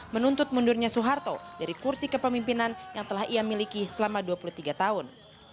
menuntut mundurnya soeharto dari kursi kepemimpinan yang telah ia miliki selama dua puluh tiga tahun